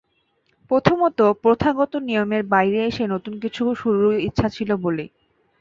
প্রথমত, প্রথাগত নিয়মের বাইরে এসে নতুন কিছু শুরুর ইচ্ছা ছিল বলেই।